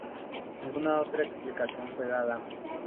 Ninguna otra explicación fue dada.